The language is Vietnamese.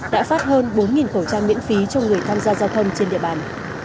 đã phát hơn bốn khẩu trang miễn phí cho người tham gia giao thông trên địa bàn